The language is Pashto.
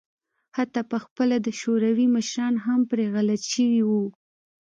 حتی په خپله د شوروي مشران هم پرې غلط شوي وو.